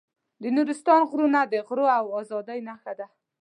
د نورستان غرونه د غرور او ازادۍ نښه ده.